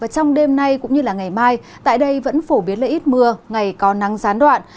trong đêm nay cũng như ngày mai tại đây vẫn phổ biến ít mưa ngày có nắng sán đoạn